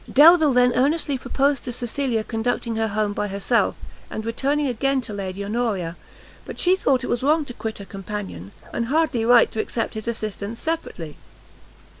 Delvile then earnestly proposed to Cecilia conducting her home by herself, and returning again to Lady Honoria; but she thought it wrong to quit her companion, and hardly right to accept his assistance separately.